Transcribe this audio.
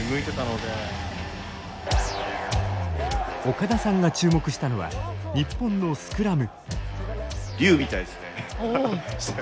岡田さんが注目したのは日本のスクラム。